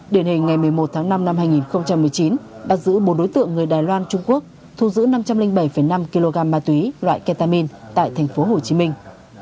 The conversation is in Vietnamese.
điển hình ngày một mươi một tháng năm năm hai nghìn một mươi chín bắt giữ bốn đối tượng người đài loan trung quốc thu giữ năm trăm linh bảy năm kg ma túy loại ketamin tại thành phố hồ chí minh